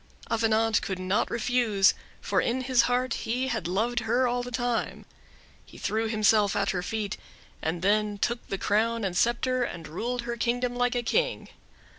Avenant could not refuse: for in his heart he had loved her all the time. He threw himself at her feet, and then took the crown and scepter, and ruled her kingdom like a king.